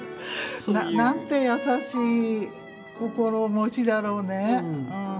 なんて優しい心持ちだろうね。